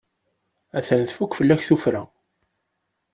A-t-an tfukk fell-ak tuffra.